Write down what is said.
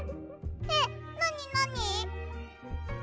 えっなになに？